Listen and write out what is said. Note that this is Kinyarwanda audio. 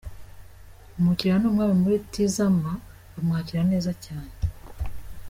Umukiliya ni umwami muri Tizama, bamwakira neza cyane.